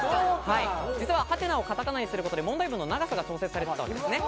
実はハテナをカタカナにすることで問題文の長さが調節されてたんですね。